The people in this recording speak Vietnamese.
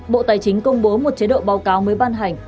bộ tài chính công bố một chế độ báo cáo mới ban hành